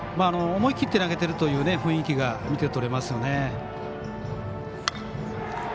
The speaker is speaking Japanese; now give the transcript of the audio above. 思い切って投げてるという雰囲気が見て取れますよね。